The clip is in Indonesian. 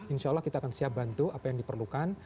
insya allah kita akan siap bantu apa yang diperlukan